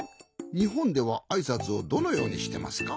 にほんではあいさつをどのようにしてますか？